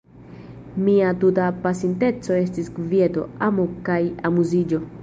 Mia tuta pasinteco estis kvieto, amo kaj amuziĝo.